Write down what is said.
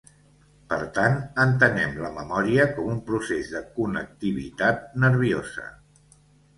Per tant, entenem la memòria com un procés de connectivitat nerviosa.